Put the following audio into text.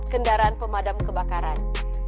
kendaraan pemadam kebakaran